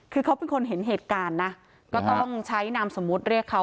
คือเขาเป็นคนเห็นเหตุการณ์นะก็ต้องใช้นามสมมุติเรียกเขา